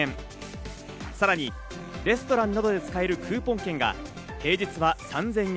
さらにレストランなどで使えるクーポン券が平日は３０００円分。